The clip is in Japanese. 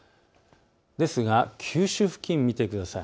ですが九州付近を見てください。